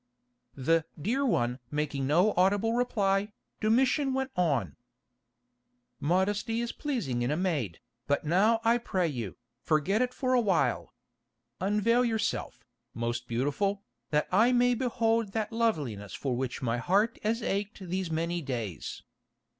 The "dear one" making no audible reply, Domitian went on: "Modesty is pleasing in a maid, but now I pray you, forget it for awhile. Unveil yourself, most beautiful, that I may behold that loveliness for which my heart has ached these many days.